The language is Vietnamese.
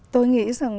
tôi nghĩ rằng